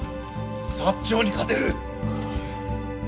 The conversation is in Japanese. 薩長に勝てる！